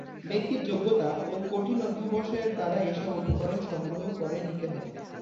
ব্যক্তির যোগ্যতা ও কঠিন অধ্যবসায় দ্বারা এসব উপকরণ সংগ্রহ করে নিতে হয়।